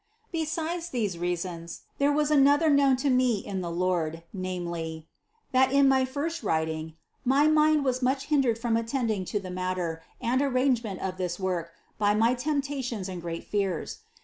Besides these reasons, there was another known to me in the Lord, namely; That in my first writing my mind was much hindered from attending to the matter and arrangement of this work by my temptations and great fears.